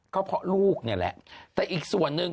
ก็เพราะลูกนี่แหละแต่อีกส่วนหนึ่ง